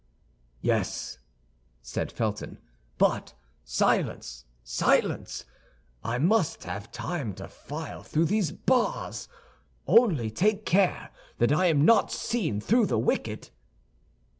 "Yes," said Felton; "but silence, silence! I must have time to file through these bars. Only take care that I am not seen through the wicket."